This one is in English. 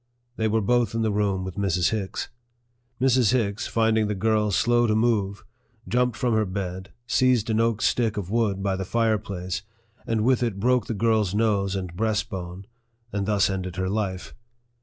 They were both in the room with Mrs. Hicks. Mrs. Hicks, finding the girl slow to move, jumped from her bed, seized an oak stick of wood by the fireplace, and with it broke the girl's nose and breastbone, and thus ended her life.